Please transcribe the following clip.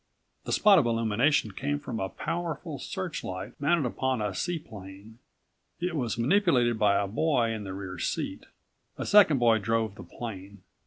The spot of illumination came from a powerful searchlight mounted upon a seaplane. It was manipulated by a boy in the rear seat. A second boy drove the plane.